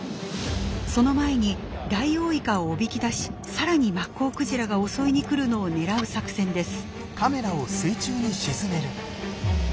その前にダイオウイカをおびき出しさらにマッコウクジラが襲いにくるのを狙う作戦です。